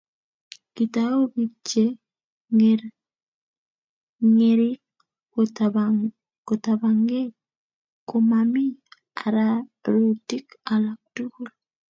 kitau biik cheng'erik'kotabanngéi komamii ararutik alak tugul